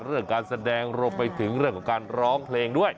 เรื่องการแสดงรวมไปถึงเรื่องของการร้องเพลงด้วย